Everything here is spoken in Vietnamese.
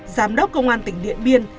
giám đốc công an tỉnh điện biên